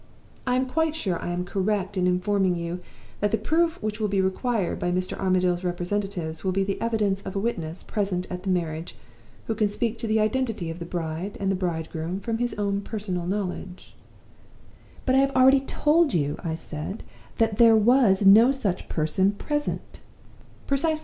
I am quite sure I am correct in informing you that the proof which will be required by Mr. Armadale's representatives will be the evidence of a witness present at the marriage who can speak to the identity of the bride and bridegroom from his own personal knowledge.' "'But I have already told you,' I said, 'that there was no such person present.